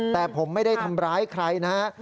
แต่ผมไม่ได้ทำร้ายใครนะฮะ